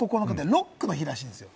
ロックの日らしいんですよ。